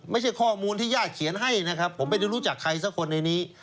ไม่ใช่ข้อมูลที่ญาติเขียนให้นะครับผมไม่ได้รู้จักใครสักคนในนี้